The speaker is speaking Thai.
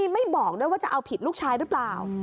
ไม่บอกด้วยว่าจะเอาผิดลูกชายหรือเปล่า